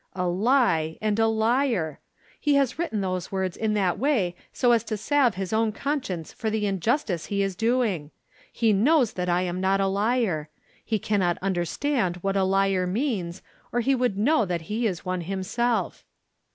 A 'lie,' and 'liar!' He has written those words in that way so as to salve his own conscience for the injustice he is doing. He knows that I am not a liar. He cannot understand what a liar means, or he would know that he is one himself."